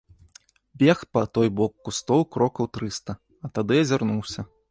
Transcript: Бег па той бок кустоў крокаў трыста, а тады азірнуўся.